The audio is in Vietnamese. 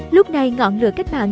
lúc này ngọn lửa cách mạng